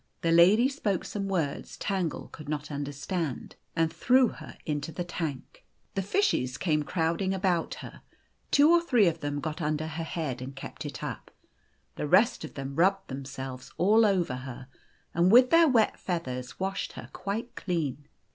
The lady spoke some words Tangle could not under stand, and threw her into the tank. The fishes came crowding about her. Two or three of them got under her head and kept it up. The rest of them rubbed themselves all over her, and with their wet feathers washed her quite clean.